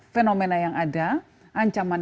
fenomena yang ada ancaman